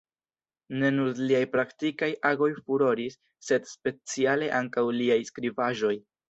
Ne nur liaj praktikaj agoj furoris, sed speciale ankaŭ liaj skribaĵoj.